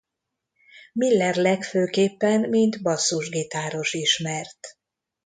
Miller legfőképpen mint basszusgitáros ismert.